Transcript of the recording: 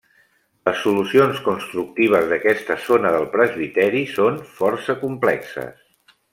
Les solucions constructives d'aquesta zona del presbiteri són força complexes.